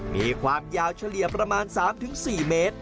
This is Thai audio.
มีความยาวเฉลี่ยประมาณ๓๔เมตร